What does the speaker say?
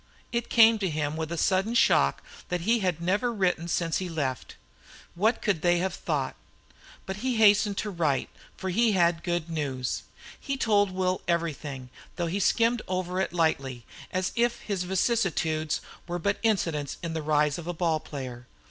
It came to him with a sudden shock that he had never written since he left. What could they have thought? But he hastened to write, for he had good news. He told Will everything, though he skimmed over it lightly, as if his vicissitudes were but incidents in the rise of a ball player.